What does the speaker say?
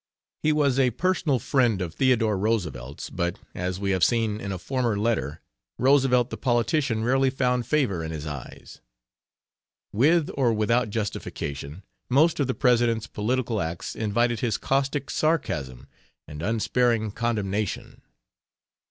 He was a personal friend of Theodore Roosevelt's but, as we have seen in a former letter, Roosevelt the politician rarely found favor in his eyes. With or without justification, most of the President's political acts invited his caustic sarcasm and unsparing condemnation.